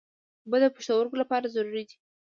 اوبه د پښتورګو لپاره ضروري دي.